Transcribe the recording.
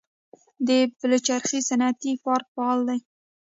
د پلچرخي صنعتي پارک فعال دی